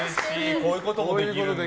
こういうこともできるんだ。